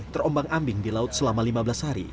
terombang ambing di laut selama lima belas hari